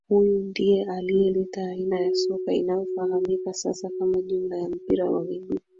Huyu ndiye aliyeleta aina ya soka inayofahamika sasa kama jumla ya mpira wa miguu